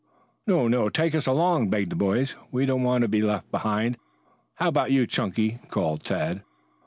"No, no! Take us along," begged the boys. "We don't want to be left behind. How about you, Chunky?" called Tad.